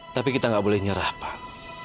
tapi kita nggak boleh nyerah pak